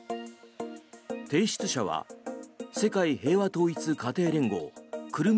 提出者は世界平和統一家庭連合久留米